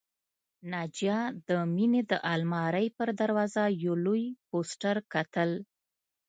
ناجیه د مينې د آلمارۍ پر دروازه یو لوی پوسټر کتل